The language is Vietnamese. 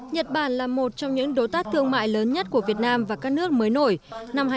nhật bản là một trong những đối tác thương mại lớn nhất của việt nam và các nước mới nổi